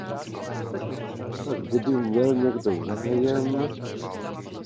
Tak kdyby měl někdo zájem...